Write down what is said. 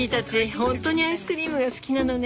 本当にアイスクリームが好きなのね。